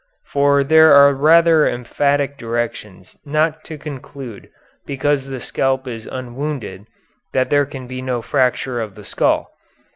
For there are rather emphatic directions not to conclude because the scalp is unwounded that there can be no fracture of the skull.